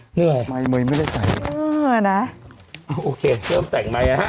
เหนื่อยไม้ไม่ได้ใส่เหนื่อยนะโอเคเริ่มแต่งไม้อะฮะ